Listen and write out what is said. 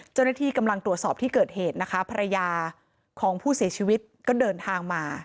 เจ้าหน้าที่กำลังตรวจสอบที่เกิดเหตุนะคะภรรยาของผู้เสียชีวิตก็เดินทางมา